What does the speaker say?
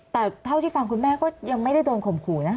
แต่เท่าที่ฟังคุณแม่ก็ยังไม่ได้โดนข่มขู่นะ